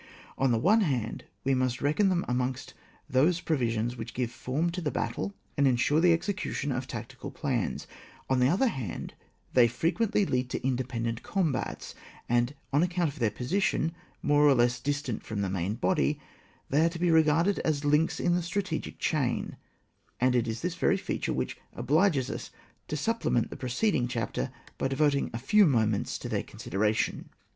On the one hand we must reckon them amongst those provisions which give form to the battle and ensure the execution of tactical plans ; on the other hand, they frequency lead to independent combats, and on account of their position, more or less distant from the main body, they are to be regarded as links in the strate gic chain, and it is this very feature which obliges us to supplement the pre ceding chapter by devoting a few moments to their consideration.